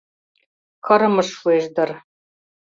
Кырымышт шуэш дыр.